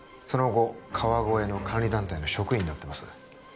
その後川越の監理団体の職員になってます